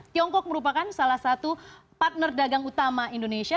tiongkok merupakan salah satu partner dagang utama indonesia